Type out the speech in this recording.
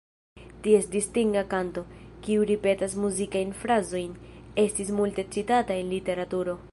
Ties distinga kanto, kiu ripetas muzikajn frazojn, estis multe citata en literaturo.